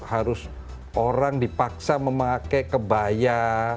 harus orang dipaksa memakai kebaya